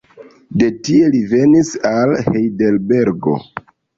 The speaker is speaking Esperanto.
De tie li venis al Hejdelbergo.